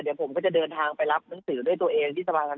เดี๋ยวผมก็จะเดินทางไปรับหนังสือด้วยตัวเองที่สภาธ